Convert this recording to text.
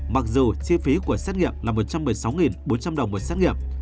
mặc dù chi phí của xét nghiệm là một trăm một mươi sáu bốn trăm linh đồng một xét nghiệm